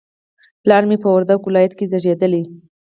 پلار مې په وردګ ولایت کې زیږدلی